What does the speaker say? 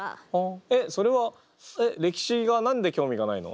えっそれはえっ歴史が何で興味がないの？